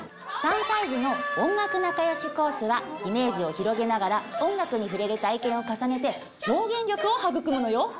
３歳児の「おんがくなかよしコース」はイメージを広げながら音楽に触れる体験を重ねて表現力を育むのよ。